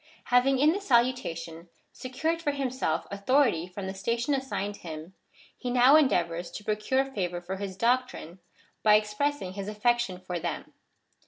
Having in the salutation secured for himself authority from the station assigned him, he now endeavours to procure favour for his doctrine, by expressing his affection for them.